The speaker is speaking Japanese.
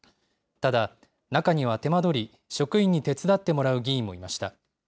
ただ中には手間取り、職員に手伝ってもらう議員もいました。